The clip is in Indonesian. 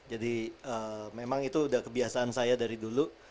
jadi memang itu udah kebiasaan saya dari dulu